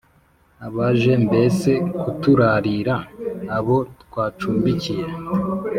abaje mbese kuturarira, abo twacumbikiye.